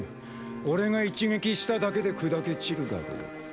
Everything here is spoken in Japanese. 俺が一撃しただけで砕け散るだろう。